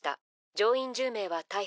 乗員１０名は逮捕。